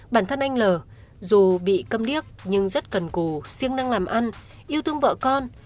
bản thân anh l dù bị cầm điếc nhưng rất cần cù siêng năng làm ăn yêu thương vợ con